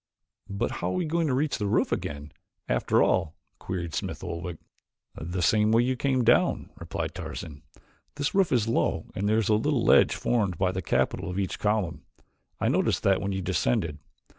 "But how are we going to reach the roof again, after all?" queried Smith Oldwick. "The same way you came down," replied Tarzan. "This roof is low and there is a little ledge formed by the capital of each column; I noticed that when you descended.